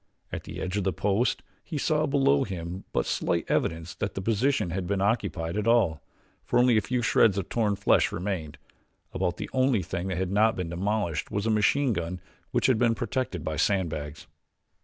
At the edge of the post he saw below him but slight evidence that the position had been occupied at all, for only a few shreds of torn flesh remained. About the only thing that had not been demolished was a machine gun which had been protected by sand bags.